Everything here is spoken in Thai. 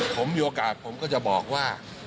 ผมมีโอกาสผมก็จะบอกว่า